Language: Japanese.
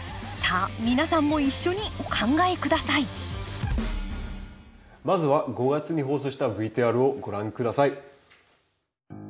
さあ皆さんも一緒にお考え下さいまずは５月に放送したＶＴＲをご覧下さい。